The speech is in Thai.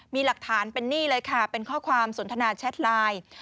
มีหลักฐานเป็นนี่เลยค่ะเป็นข้อความสนทนาแชทไลน์